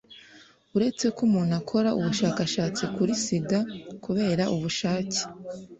uretse ko umuntu akora ubushakashatsi kuri sida kubera ubushake,